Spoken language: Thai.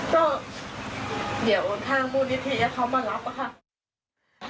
ก็เดี๋ยวทางบุญพิเศษเขามารับล่ะค่ะ